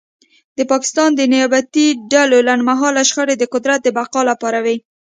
د پاکستان د نیابتي ډلو لنډمهاله شخړې د قدرت د بقا لپاره وې